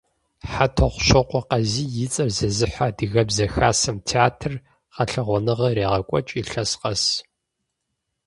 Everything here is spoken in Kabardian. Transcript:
ХьэтӀохъущокъуэ Къазий и цӀэр зезыхьэ Адыгэбзэ хасэм театр гъэлъэгъуэныгъэ ирегъэкӀуэкӀ илъэс къэс.